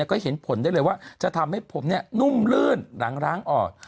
ก็เห็นผลได้เลยว่าจะทำให้ผมนุ่มลื่นหลังร้างอ่อน